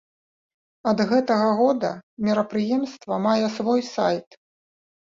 Ад гэтага года мерапрыемства мае свой сайт.